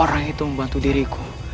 orang itu membantu diriku